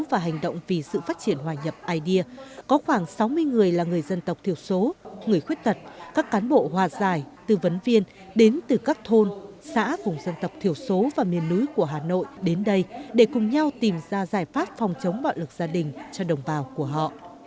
và hành động vì sự phát triển hòa nhập idea có khoảng sáu mươi người là người dân tộc thiểu số người khuyết tật các cán bộ hòa giải tư vấn viên đến từ các thôn xã vùng dân tộc thiểu số và miền núi của hà nội đến đây để cùng nhau tìm ra giải pháp phòng chống bạo lực gia đình cho đồng bào của họ